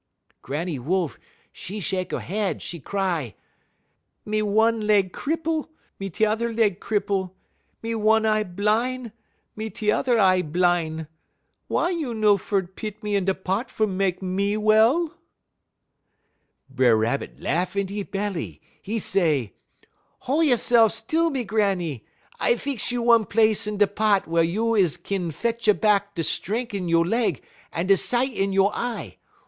"Granny Wolf, 'e shek 'e head; 'e cry: "'Me one leg cripple, me turrer leg cripple; me one eye bline, me turrer y eye bline. Wey you no fer pit me in da pot fer mek me well?' "B'er Rabbit laff in 'e belly; 'e say: "'Hol' you'se'f still, me Granny; I fix you one place in da pot wey you is kin fetch a back da strenk in you' leg en da sight in you' eye.